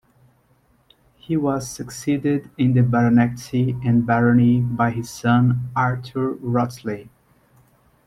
He was succeeded in the baronetcy and barony by his son Arthur Wrottesley.